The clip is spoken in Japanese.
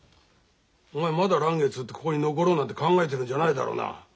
お前まだ嵐月売ってここに残ろうなんて考えてるんじゃないだろうな。